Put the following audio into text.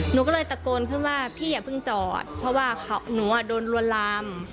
หนูก็เลยตะโกนขึ้นว่าพี่อย่าเพิ่งจอดเพราะว่าหนูอ่ะโดนลวนลาม